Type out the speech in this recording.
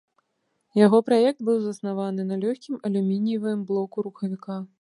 Яго праект быў заснаваны на лёгкім алюмініевым блоку рухавіка.